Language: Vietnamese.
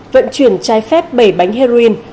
vận chuyển trái phép bảy bánh heroin